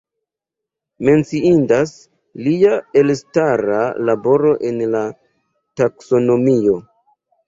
Menciindas lia elstara laboro en la taksonomio.